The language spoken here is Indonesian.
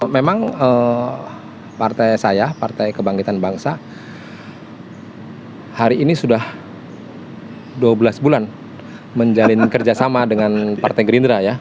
memang partai saya partai kebangkitan bangsa hari ini sudah dua belas bulan menjalin kerjasama dengan partai gerindra ya